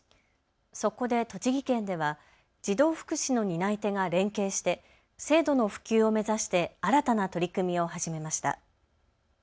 そこで栃木県では児童福祉の担い手が連携して制度の普及を目指して新たな取り組みを始めました。